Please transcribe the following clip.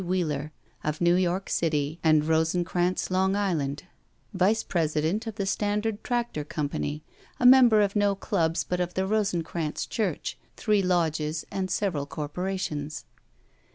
Wheeler, of New York City and Rosencranz, Long Island, vice president of the Standard Tractor Company, a member of no clubs but of the Rosencranz church, three lodges, and several corporations.